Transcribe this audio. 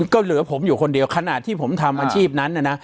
ก็เหลือผมอยู่คนเดียวขณะที่ผมทำอาชีพนั้นนะ